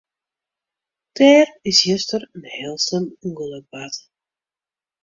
Der is juster in heel slim ûngelok bard.